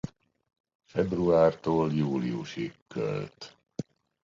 Februártól júliusig költ.